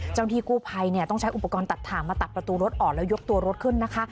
เจ้าหน้าที่กู้ภัยเนี่ยต้องใช้อุปกรณ์ตัดถ่างมาตัดประตูรถออกแล้วยกตัวรถขึ้นนะคะ